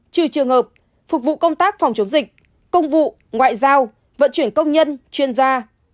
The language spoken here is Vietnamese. trừ trường hợp phục vụ công tác phòng chống dịch công vụ ngoại giao vận chuyển công nhân chuyên gia